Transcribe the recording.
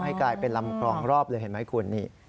ให้กลายเป็นลำคลองรอบเลยเห็นไหมคุณนี่